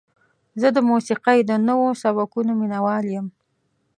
زه د موسیقۍ د نوو سبکونو مینهوال یم.